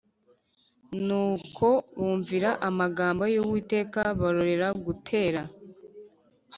Ni uko bumvira amagambo y’Uwiteka barorera gutera